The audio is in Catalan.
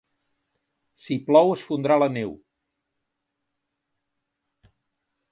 Si plou es fondrà la neu.